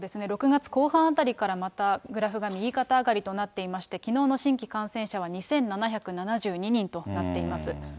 ６月後半あたりからまたグラフが右肩上がりとなっていまして、きのうの新規感染者は２７７２人となっています。